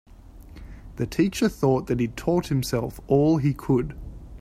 The teacher thought that he'd taught himself all he could.